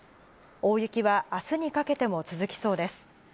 大雪はあすにかけても続きそうです。